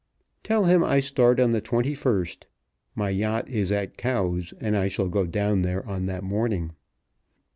"Tell him I start on the 21st. My yacht is at Cowes, and I shall go down there on that morning.